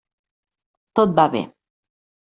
Tot va bé.